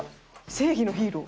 正義のヒーロー。